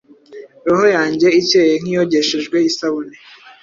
Roho yanjye icyeye nkiyogeshejwe isabune